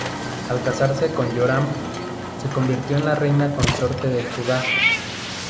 Al casarse con Joram, se convirtió en reina consorte de Judá.